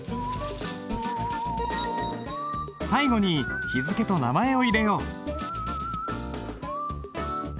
最後に日付と名前を入れよう。